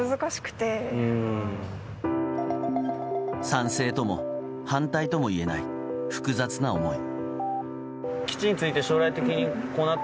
賛成とも反対とも言えない複雑な思い。